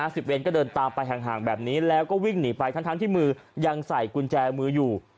สิบเวนก็เดินตามไปห่างห่างแบบนี้แล้วก็วิ่งหนีไปทั้งทั้งที่มือยังใส่กุญแจมืออยู่